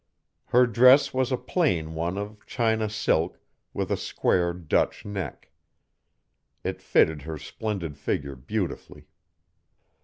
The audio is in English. Her dress was a plain one of China silk with a square Dutch neck. It fitted her splendid figure beautifully.